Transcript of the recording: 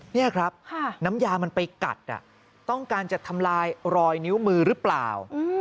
นี่ครับน้ำยามันไปกัดต้องการจะทำลายรอยนิ้วมือหรือเปล่า